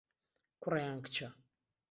کوڕە یان کچە؟